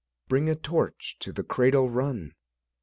Bring a torch, to the cradle run!